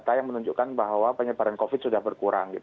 data yang menunjukkan bahwa penyebaran covid sudah berkurang